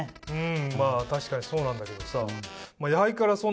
まぁ確かにそうなんだけどさ。